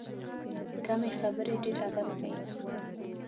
کمې خبرې، ډېر ادب ښیي.